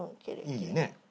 いいね。